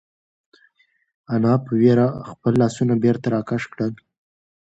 انا په وېره خپل لاسونه بېرته راکش کړل.